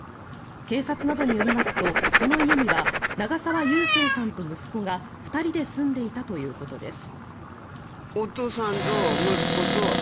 警察などによりますとこの家には長沢勇正さんと息子が２人で住んでいたということです。